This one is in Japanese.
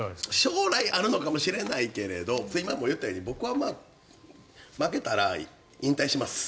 将来あるのかもしれないけど今言ったように僕は負けたら引退します。